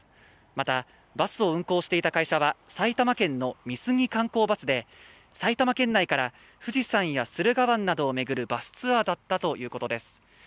また、バスを運行していた会社は埼玉県の美杉観光バスで埼玉県内から富士山や駿河湾などを巡るバスツアーだったということです。